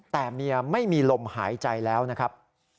แต่เมียไม่มีลมหายใจแล้วนะครับ